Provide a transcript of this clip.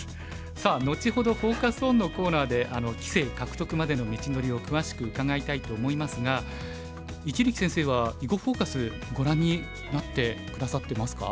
さあ後ほどフォーカス・オンのコーナーで棋聖獲得までの道のりを詳しく伺いたいと思いますが一力先生は「囲碁フォーカス」ご覧になって下さってますか？